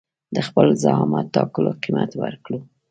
د خپل زعامت ټاکلو قيمت ورکړو.